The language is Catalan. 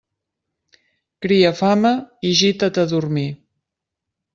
Cria fama i gita't a dormir.